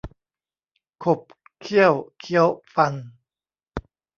ขบเขี้ยวเคี้ยวฟัน